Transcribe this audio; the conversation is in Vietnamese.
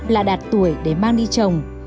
là đạt tuổi để mang đi trồng